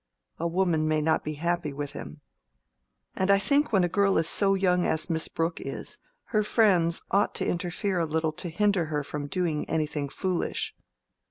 A woman may not be happy with him. And I think when a girl is so young as Miss Brooke is, her friends ought to interfere a little to hinder her from doing anything foolish.